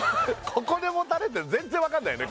ここで持たれてるの全然わかんないよね